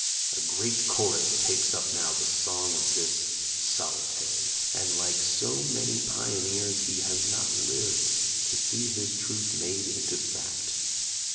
A great chorus takes up now the song of this solitary, and like so many pioneers he has not lived to see his truth made into fact).